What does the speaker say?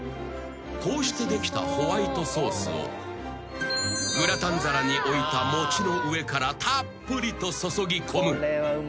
［こうしてできたホワイトソースをグラタン皿に置いた餅の上からたっぷりと注ぎこむ］